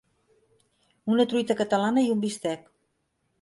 Una truita catalana i un bistec.